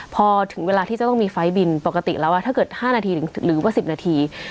พอถึงเวลาที่จะต้องมีไฟล์บินปกติแล้วถ้าเกิด๕นาทีหรือว่า๑๐นาที